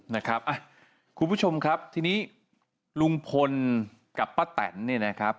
นะครับอ่ะคุณผู้ชมครับทีนี้ลุงพลกับป้าแตนเนี่ยนะครับ